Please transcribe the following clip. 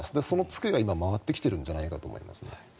その付けが今、回ってきてるんじゃないかと思います。